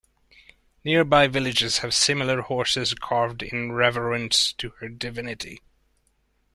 Nearby villages have similar horses carved in reverence to her divinity.